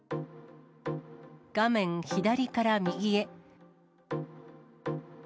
画面左から右へ。